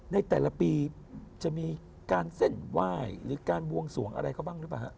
ในแต่ละปีจะมีการเส้นไหว้หรือการบวงสวงอะไรเขาบ้างหรือเปล่าฮะ